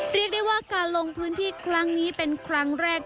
เรียกได้ว่าการลงพื้นที่ครั้งนี้เป็นครั้งแรก